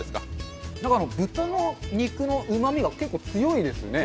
豚の肉のうまみが結構強いですよね。